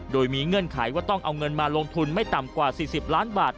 โดยมีเงื่อนไขว่าต้องเอาเงินมาลงทุนไม่ต่ำกว่า๔๐ล้านบาท